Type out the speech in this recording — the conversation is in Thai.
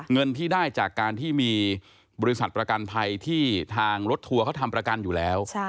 เงินที่ได้จากการที่มีบริษัทประกันภัยที่ทางรถทัวร์เขาทำประกันอยู่แล้ว